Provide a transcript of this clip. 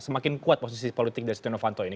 semakin kuat posisi politik dari setianowanto ini